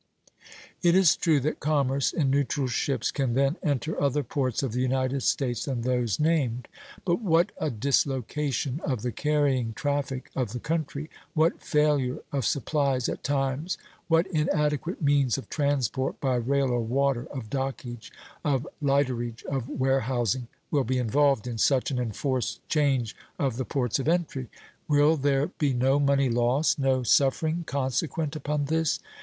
It is true that commerce in neutral ships can then enter other ports of the United States than those named; but what a dislocation of the carrying traffic of the country, what failure of supplies at times, what inadequate means of transport by rail or water, of dockage, of lighterage, of warehousing, will be involved in such an enforced change of the ports of entry! Will there be no money loss, no suffering, consequent upon this?